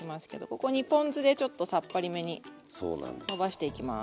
ここにポン酢でちょっとさっぱりめにのばしていきます。